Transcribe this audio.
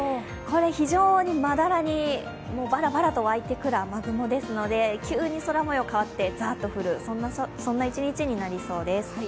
非常にまだらに、ばらばらと湧いてくる雨雲ですので急に空もようが変わって、ざっと降るそんな一日になりそうです。